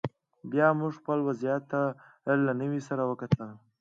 بیا موږ خپل وضعیت ته له نوي سره وکتل